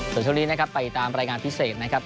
ส่วนช่วงนี้นะครับไปตามรายงานพิเศษนะครับ